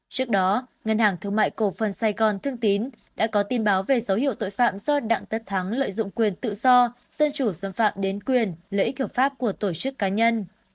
trước đó ngân hàng thương mại cổ phần sài gòn thương tín đã có tin báo về dấu hiệu tội phạm do đặng tất thắng lợi dụng quyền tự do dân chủ xâm phạm đến quyền lợi ích hợp pháp của tổ chức cá nhân